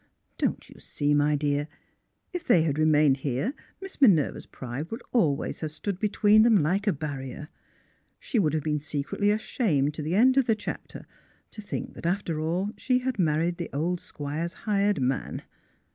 "Don't you see, my dear, if they had remained here Miss Minerva's pride would always have stood between them like a barrier. She would have been secretly ashamed to the end of the chapter to think that, after all, she had married the old Squire's hired man.